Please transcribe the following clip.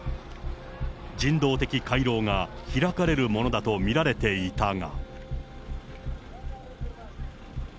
人道的回廊が開かれるものだと見られていたが。